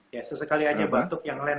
ya sesekali aja batuk yang lain